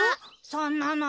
そんなの！